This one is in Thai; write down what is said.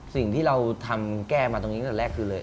สิ่งที่เราทำแก้มาตรงนี้ตั้งแต่แรกคือเลย